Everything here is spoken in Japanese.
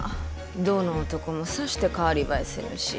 どの男もさして代わり映えせぬし。